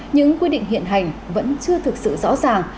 những quy định hiện hành vẫn chưa thực sự rõ ràng